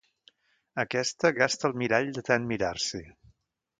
Aquesta gasta el mirall de tant mirar-s'hi.